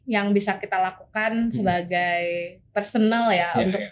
yang bisa kita lakukan sebagai personal ya